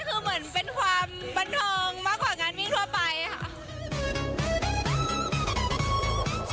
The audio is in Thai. คือเหมือนเป็นความบันเทิงมากกว่างานวิ่งทั่วไปค่ะ